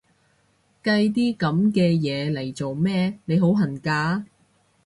計啲噉嘅嘢嚟做咩？，你好恨嫁？